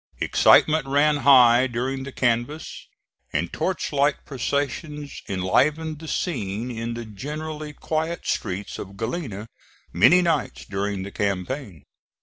Excitement ran high during the canvass, and torch light processions enlivened the scene in the generally quiet streets of Galena many nights during the campaign.